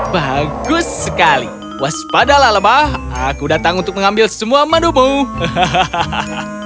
bagus sekali waspadalah lebah aku datang untuk mengambil semua madumu hahaha